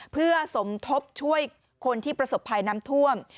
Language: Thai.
เพื่อสมทบช่วยคนที่ประสบภัยน้ำท่วม